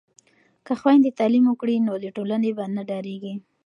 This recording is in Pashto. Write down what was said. که خویندې تعلیم وکړي نو له ټولنې به نه ډاریږي.